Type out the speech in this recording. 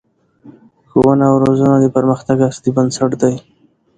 ښوونه او روزنه د پرمختګ اصلي بنسټ دی